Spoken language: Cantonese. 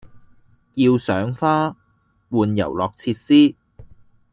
要賞花、玩遊樂設施